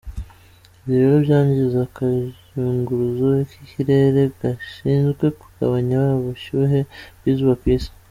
Ibi rero byangiza akayunguruzo k’ikirere gashinzwe kugabanya ubushyuhe bw`izuba ku Isi.